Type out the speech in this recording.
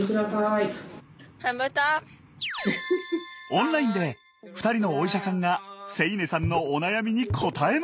オンラインで２人のお医者さんが星音さんのお悩みに答えます。